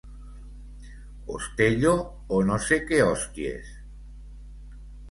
Ostello o no sé què hòsties.